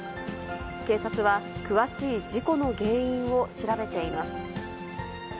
警察は、詳しい事故の原因を調べています。